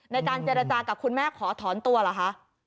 ในการเจรจากับคุณแม่ขอถอนตัวเหรอคะ